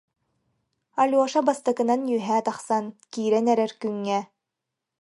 Алеша бастакынан үөһэ тахсан, киирэн эрэр күҥҥэ: